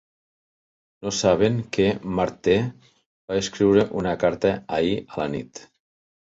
No saben que Marthe va escriure una carta ahir a la nit.